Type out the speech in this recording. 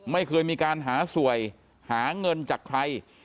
ไม่เคยมีการหาสวยหาเงินจากใคร